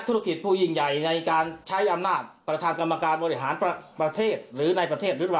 ทำเกี่ยวกับอะไรครับ